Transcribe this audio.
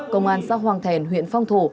công an xã hoang thèn huyện phong thổ